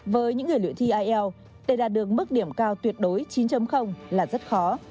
với những người luyện thi ielts để đạt được mức điểm cao tuyệt đối chín là rất khó